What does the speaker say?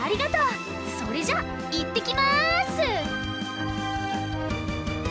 それじゃあいってきます！